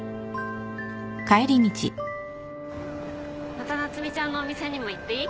また夏海ちゃんのお店にも行っていい？